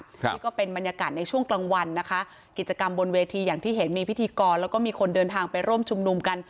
นี่ก็เป็นบรรยากาศในช่วงกลางวันนะคะกิจกรรมบนเวทีอย่างที่เห็นมีพิธีกรแล้วก็มีคนเดินทางไปร่วมชุมนุมกัน